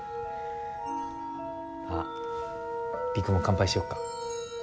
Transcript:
あ璃久も乾杯しよっか。